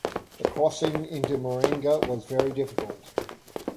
The crossing into Mauringa was very difficult.